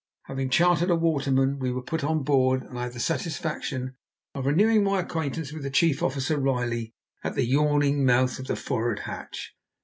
Having chartered a waterman, we were put on board, and I had the satisfaction of renewing my acquaintance with the chief officer, Riley, at the yawning mouth of the for'ard hatch.